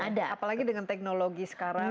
ada apalagi dengan teknologi sekarang